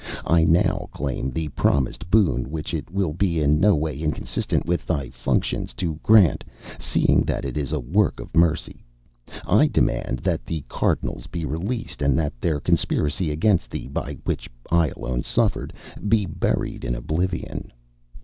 I now claim the promised boon, which it will be in no way inconsistent with thy functions to grant, seeing that it is a work of mercy. I demand that the Cardinals be released, and that their conspiracy against thee, by which I alone suffered, be buried in oblivion."